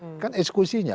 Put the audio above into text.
itu kan eksklusinya